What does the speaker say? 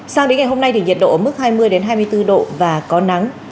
sang đến ngày hôm nay thì nhiệt độ ở mức hai mươi hai mươi bốn độ và có nắng